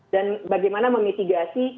dan bagaimana memitigasi